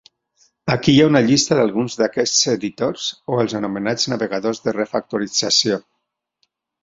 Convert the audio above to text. Aquí hi ha una llista d'alguns d'aquests editors, o els anomenats navegadors de refactorització.